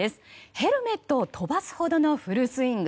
ヘルメットを飛ばすほどのフルスイング。